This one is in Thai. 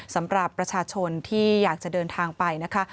สำหรับประชาชนที่อยากจะเดินทางไปนะคะ